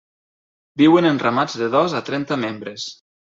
Viuen en ramats de dos a trenta membres.